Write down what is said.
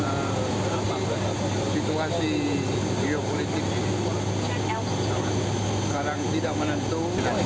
dan situasi geopolitik sekarang tidak menentu